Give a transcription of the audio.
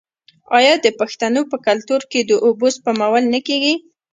آیا د پښتنو په کلتور کې د اوبو سپمول نه کیږي؟